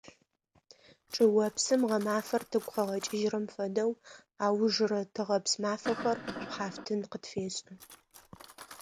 Чӏыопсым гъэмафэр тыгу къыгъэкӏыжьрэм фэдэу аужрэ тыгъэпс мафэхэр шӏухьафтын къытфешӏы.